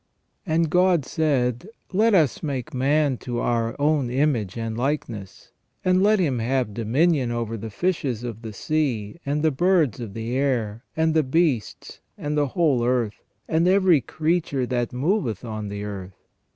"And God said : Let us make man to our own image and likeness ; and let him have dominion over the fishes of the sea, and the birds of the air, and the beasts, and the whole earth, and every creature that moveth on the earth."